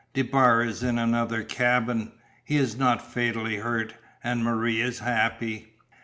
DeBar is in another cabin. He is not fatally hurt, and Marie is happy."